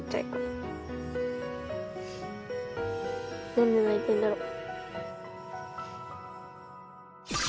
何で泣いてんだろう。